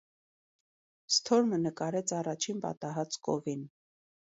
Սթորմը նկարեց առաջին պատահած կովին։